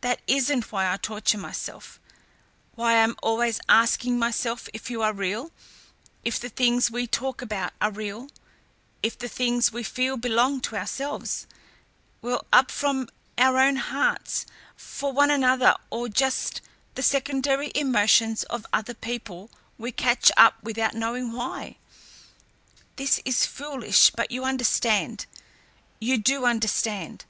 That isn't why I torture myself, why I am always asking myself if you are real, if the things we talk about are real, if the things we feel belong to ourselves, well up from our own hearts for one another or are just the secondary emotions of other people we catch up without knowing why. This is foolish, but you understand you do understand.